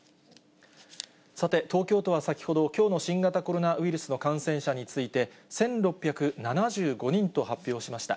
さて、東京都は先ほど、きょうの新型コロナウイルスの感染者について、１６７５人と発表しました。